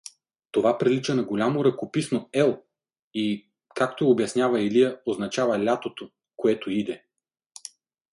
Това прилича на голямо ръкописно „Ел“ и, както обяснява Илия, означава лятото, което иде.